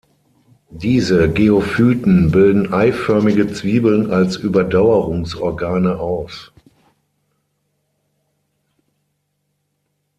Diese Geophyten bilden eiförmige Zwiebeln als Überdauerungsorgane aus.